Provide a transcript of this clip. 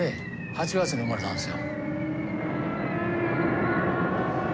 ８月に生まれたんですよ。